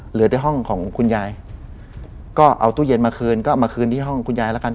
เหลือแต่ห้องของคุณยายก็เอาตู้เย็นมาคืนก็เอามาคืนที่ห้องคุณยายแล้วกัน